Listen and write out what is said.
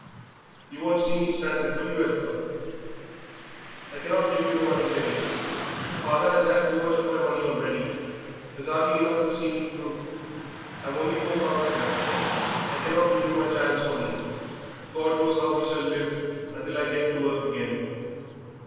You won't see me stranded, will you, Esther?" "I cannot give you the money, Jenny. Father has had too much of my money already; there's 'ardly enough to see me through. I've only four pounds left. I cannot give you my child's money; God knows how we shall live until I can get to work again."